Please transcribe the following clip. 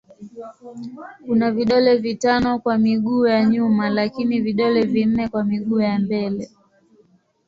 Kuna vidole vitano kwa miguu ya nyuma lakini vidole vinne kwa miguu ya mbele.